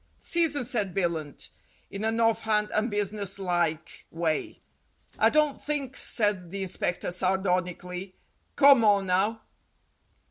"Season," said Billunt, in an off hand and business like way. "I don't think," said the inspector sardonically; "come on now."